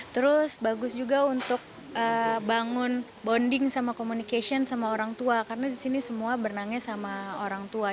terus bagus juga untuk bangun bonding sama communication sama orang tua karena disini semua berenangnya sama orang tua